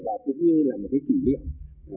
và cũng như là một cái kỷ niệm